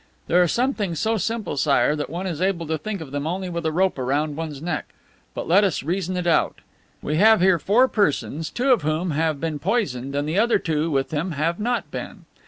"There are some things so simple, Sire, that one is able to think of them only with a rope around one's neck. But let us reason it out. We have here four persons, two of whom have been poisoned and the other two with them have not been.